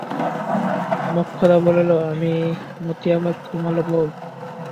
মোক্ষদা বলিল, মতি আবার ঘুমোল বৌ?